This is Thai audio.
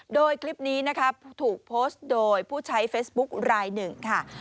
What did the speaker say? โดยคลิปนี้นะคะถูกโพสต์โดยผู้ใช้เฟซบุ๊คลายหนึ่งค่ะ